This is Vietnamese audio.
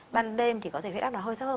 ban đêm thì có thể huyết áp nó hơi thấp hơn